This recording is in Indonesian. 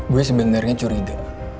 gue sebenernya curiga